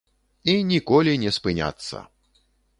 І ніколі не спыняцца.